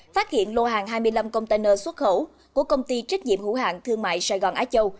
phát hiện lô hàng hai mươi năm container xuất khẩu của công ty trách nhiệm hữu hạng thương mại sài gòn á châu